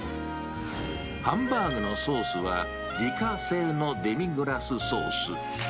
ハンバーグのソースは、自家製のデミグラスソース。